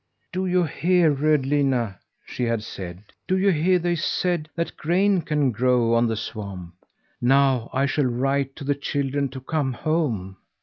"Do you hear, Rödlinna," she had said, "do you hear they said that grain can grow on the swamp? Now I shall write to the children to come home.